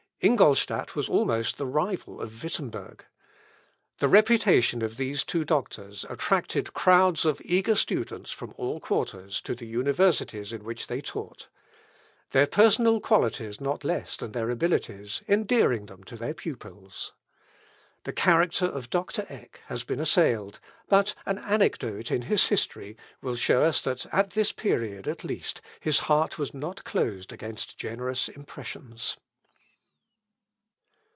Ingolstadt was almost the rival of Wittemberg. The reputation of these two doctors attracted crowds of eager students from all quarters to the universities in which they taught; their personal qualities not less than their abilities endearing them to their pupils. The character of Doctor Eck has been assailed, but an anecdote in his history will show that at this period, at least, his heart was not closed against generous impressions.